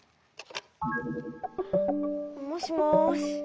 もしもし。